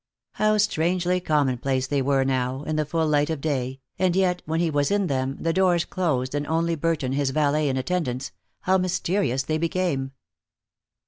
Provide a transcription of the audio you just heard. How strangely commonplace they were now, in the full light of day, and yet, when he was in them, the doors closed and only Burton, his valet, in attendance, how mysterious they became!